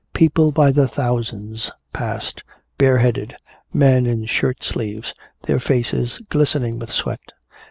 People by the thousands passed, bareheaded, men in shirt sleeves, their faces glistening with sweat.